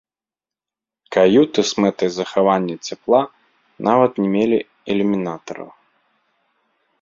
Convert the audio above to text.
Каюты з мэтай захавання цяпла нават не мелі ілюмінатараў.